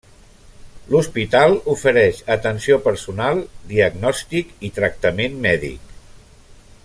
L'hospital ofereix atenció personal, diagnòstic i tractament mèdic.